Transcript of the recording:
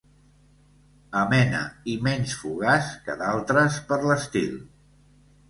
Amena i menys fugaç que d'altres per l'estil.